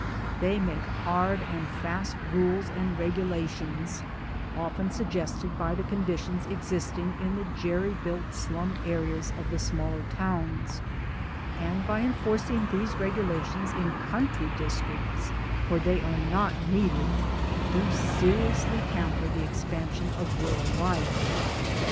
They make hard and fast rules and regu lations often suggested by the conditions existing in the jerry built slum areas of the smaller towns and by enforcing these regulations in country dis tricts where they are not needed do seriously hamper the expansion of rural life.